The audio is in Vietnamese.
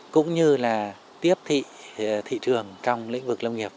cũng như là tiếp thị thị trường trong lĩnh vực lâm nghiệp